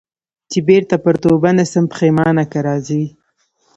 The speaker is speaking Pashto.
چي بیرته پر توبه نه سم پښېمانه که راځې